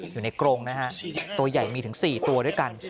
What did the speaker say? อยู่ในกรงนะฮะตัวใหญ่มีถึงสี่ตัวด้วยกัน